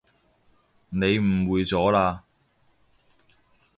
你誤會咗喇